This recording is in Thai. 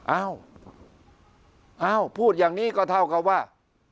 เอ้าพูดอย่างนี้ก็เท่ากับว่า